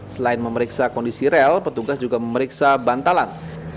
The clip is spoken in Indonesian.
selain memeriksa kondisi rel petugas juga memeriksa bantalan